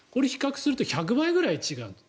これ、比較すると１００倍くらい違う。